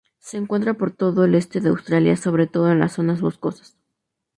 Se encuentra por todo el este de Australia, sobre todo en las zonas boscosas.